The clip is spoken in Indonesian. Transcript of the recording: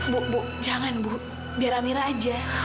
bu bu jangan bu biar mira aja